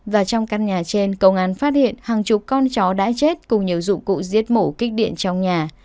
và trong căn nhà trên công an phát hiện hàng chục con chó đã chết cùng nhiều dụng cụ giết mổ kích điện trong nhà